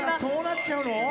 そうなっちゃうの？